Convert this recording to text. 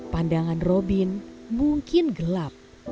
pandangan robin mungkin gelap